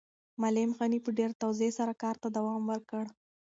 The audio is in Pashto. معلم غني په ډېره تواضع سره کار ته دوام ورکړ.